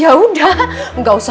ya udah gak usah